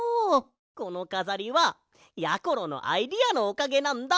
このかざりはやころのアイデアのおかげなんだ。